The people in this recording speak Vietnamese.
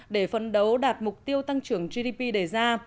để phấn đấu đạt mục tiêu tăng trưởng gdp đề ra